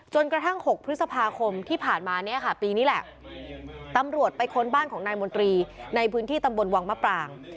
กระทั่ง๖พฤษภาคมที่ผ่านมาเนี่ยค่ะปีนี้แหละตำรวจไปค้นบ้านของนายมนตรีในพื้นที่ตำบลวังมะปราง